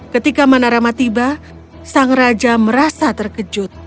ketika manarama tiba sang raja merasa terkejut